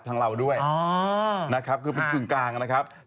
ทางภามาะกับธังเงาด้วย